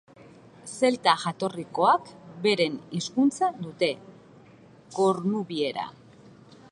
Zelta jatorrikoak, beren hizkuntza dute: kornubiera.